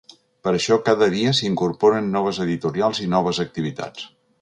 Per això, cada dia s’hi incorporen noves editorials i noves activitats.